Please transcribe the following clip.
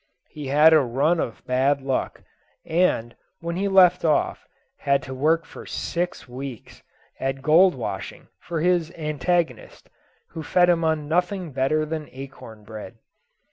He had a run of bad luck, and, when he left off, had to work for six weeks, at gold washing, for his antagonist, who fed him on nothing better than acorn bread.